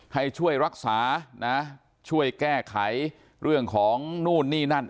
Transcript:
ให้ช่วยรักษานะช่วยแก้ไขเรื่องของนู่นนี่นั่น